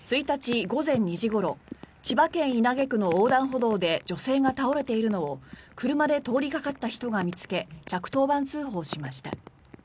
１日午前２時ごろ千葉市稲毛区の横断歩道で女性が倒れているのを車で通りかかった人が見つけ１１０番通報しました。